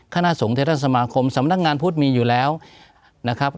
คณะสงฆ์เทศสมาคมสำนักงานพุทธมีอยู่แล้วนะครับ